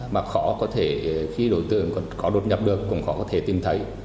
mà khó có thể khi đối tượng có đột nhập được cũng khó có thể tìm thấy